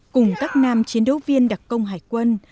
cùng các nam chiến đấu viên đặc công hải quân